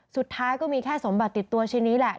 สุดท้ายก็มีแค่สมบัติติดตัวชิ้นนี้แหละ